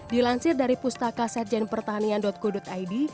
dilansir dari pustaka setjenpertahanian co id